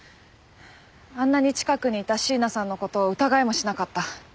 あんなに近くにいた椎名さんの事を疑いもしなかった。